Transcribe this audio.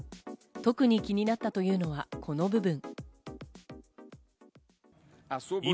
特に気になったというのはこの部分。